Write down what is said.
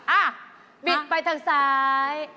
อ่ะบิดไปทางซ้าย